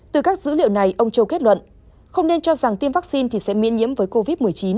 từ các dữ liệu này ông châu kết luận không nên cho rằng tiêm vaccine thì sẽ miễn nhiễm với covid một mươi chín